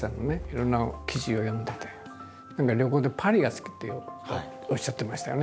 いろんな記事を読んでて何か旅行でパリが好きっておっしゃってましたよね。